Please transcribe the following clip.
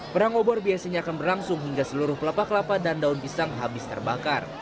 perang obor biasanya akan berlangsung hingga seluruh kelapa kelapa dan daun pisang habis terbakar